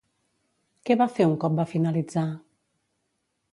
Què va fer un cop va finalitzar?